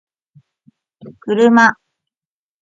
kuruma